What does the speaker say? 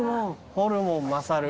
「ホルモンまさる」